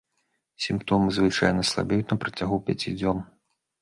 Сімптомы звычайна слабеюць на працягу пяці дзён.